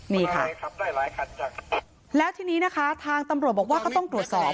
นี่ค่ะแล้วทีนี้นะคะทางตำรวจบอกว่าเขาต้องตรวจสอบ